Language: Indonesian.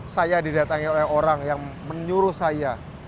saya didatangi oleh orang yang menyuruh saya